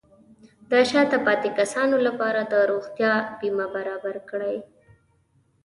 د شاته پاتې کسانو لپاره د روغتیا بیمه برابر کړئ.